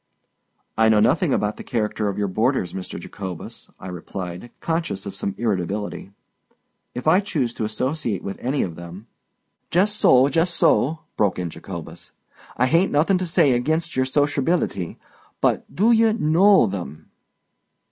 "I know nothing about the character of your boarders, Mr. Jacobus," I replied, conscious of some irritability. "If I choose to associate with any of them——" "Jess so—jess so!" broke in Jacobus. "I hain't nothin' to say ag'inst yer sosherbil'ty. But do ye know them?"